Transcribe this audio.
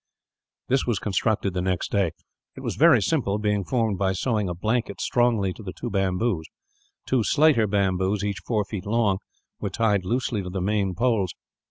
This was constructed the next day. It was very simple, being formed by sewing a blanket strongly to the two bamboos. Two slighter bamboos, each four feet long, were tied loosely to the main poles.